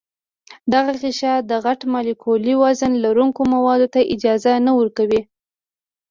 دا غشا د غټ مالیکولي وزن لرونکو موادو ته اجازه نه ورکوي.